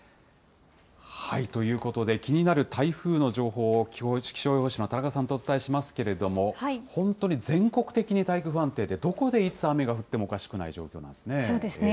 ということで、気になる台風の情報を、気象予報士の田中さんとお伝えしますけれども、本当に全国的にだいぶ不安定で、どこでいつ、雨が降ってもおかしくない状況なんですね。